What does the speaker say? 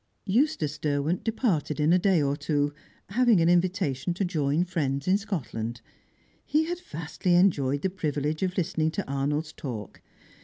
Eustace Derwent departed in a day or two, having an invitation to join friends in Scotland. He had vastly enjoyed the privilege of listening to Arnold's talk.